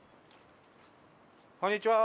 こんにちは！